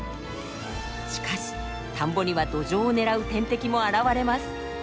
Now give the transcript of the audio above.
しかし田んぼにはドジョウを狙う天敵も現れます。